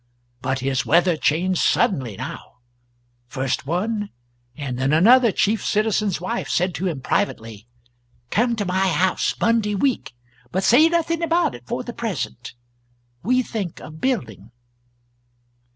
But his weather changed suddenly now. First one and then another chief citizen's wife said to him privately: "Come to my house Monday week but say nothing about it for the present. We think of building."